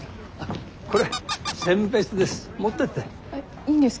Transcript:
これせん別です。